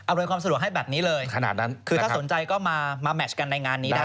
เอาเลยความสะดวกให้แบบนี้เลยถ้าสนใจก็มาแมชกันในงานนี้ได้